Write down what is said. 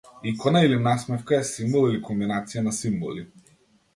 Икона или насмевка е симбол или комбинација на симболи.